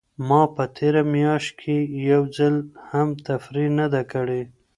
ما په تېره میاشت کې یو ځل هم تفریح نه ده کړې.